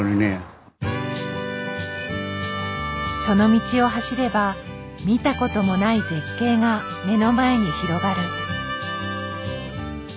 その道を走れば見たこともない絶景が目の前に広がる。